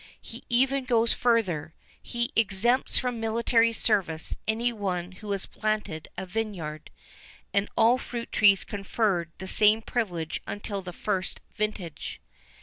[XI 3] He even goes further; he exempts from military service any one who has planted a vineyard, and all fruit trees conferred the same privilege until the first vintage.